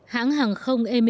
hãng hàng không thế giới